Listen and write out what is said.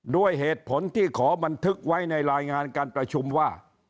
ด้วยเหตุผลที่ขอบันทึกไว้ในรายงานการประชุมว่า